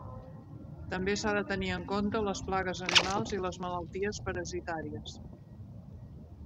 També s’ha de tenir en compte les plagues animals i les malalties parasitàries.